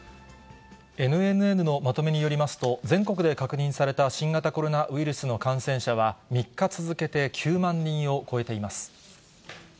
ＮＮＮのまとめによりますと、全国で確認された新型コロナウイルスの感染者は、３日続けて９万人を超えています。